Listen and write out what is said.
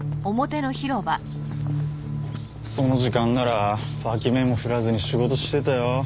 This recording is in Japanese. その時間なら脇目も振らずに仕事してたよ。